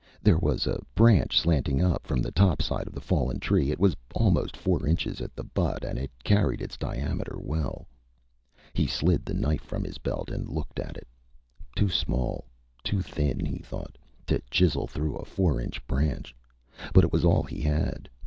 There was a branch slanting up from the topside of the fallen tree. It was almost four inches at the butt and it carried its diameter well. He slid the knife from his belt and looked at it. Too small, too thin, he thought, to chisel through a four inch branch, but it was all he had.